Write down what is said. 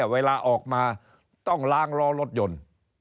เวลาออกมาต้องล้างล้อรถยนต์